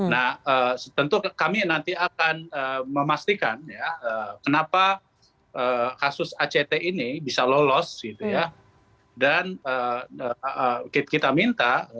nah tentu kami nanti akan memastikan ya kenapa kasus act ini bisa lolos gitu ya dan kita minta